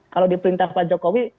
kalau diperintah pak jokowi